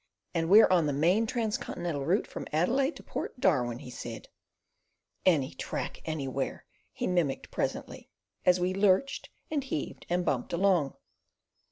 "And we're on the main transcontinental route from Adelaide to Port Darwin," he said. "Any track anywhere!" he mimicked presently, as we lurched, and heaved, and bumped along.